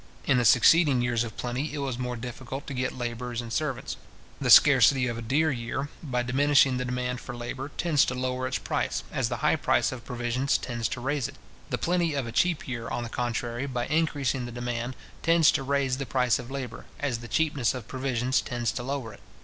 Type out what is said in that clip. In the succeeding years of plenty, it was more difficult to get labourers and servants. The scarcity of a dear year, by diminishing the demand for labour, tends to lower its price, as the high price of provisions tends to raise it. The plenty of a cheap year, on the contrary, by increasing the demand, tends to raise the price of labour, as the cheapness of provisions tends to lower it.